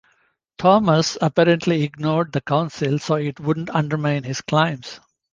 Thomas apparently ignored the council so it wouldn't undermine his claims.